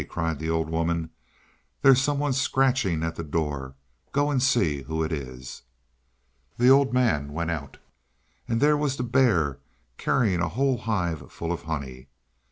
cried the old woman, "there's someone scratching at the door: go and see who it is!" The old man went out, and there was the bear carrying a whole hive full of honey.